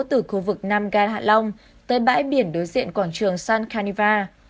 từ khu vực nam gan hạ long tới bãi biển đối diện quảng trường sun caniva